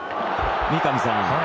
三上さん